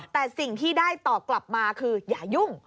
แต่สิ่งที่ได้ตอบกลับมาคืออย่ายุ่ง